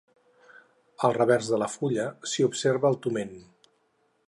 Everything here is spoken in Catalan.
Al revers de la fulla, s'hi observa el toment.